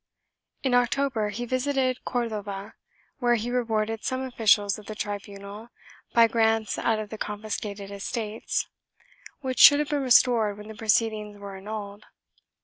In October he visited Cordova, where he rewarded some officials of the tribunal by grants out of the confiscated estates, which should have been restored when the proceedings were annulled.